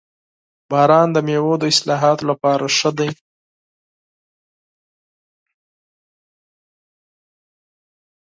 • باران د میوو د حاصلاتو لپاره مهم دی.